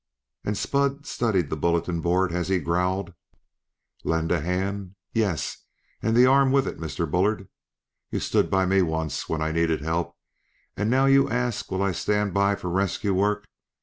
And Spud studied the bulletin board as he growled: "Lend a hand? yes, and the arm with it, Mr. Bullard. You stud by me once whin I needed help; and now you ask will I stand by for rescue work.